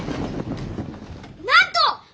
なんと！